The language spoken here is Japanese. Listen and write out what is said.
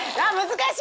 難しい！